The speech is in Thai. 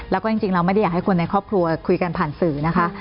แล้วก็จริงเราไม่ได้อยากให้คนในครอบครัวคุยกันผ่านสื่อนะคะ